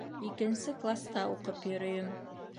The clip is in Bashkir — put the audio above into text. Икенсе класта уҡып йөрөйөм.